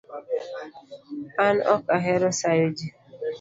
An Ok ahero sayo jii